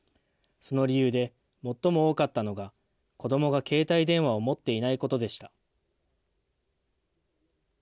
その理由で、最も多かったのが、子どもが携帯電話を持っていないことでした。